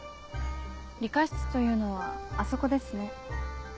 理科室というのはあそこですね。